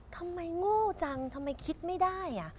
โง่จังทำไมคิดไม่ได้